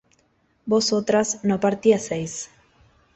vosotras no partieseis